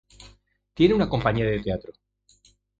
Tiene una compañía de teatro.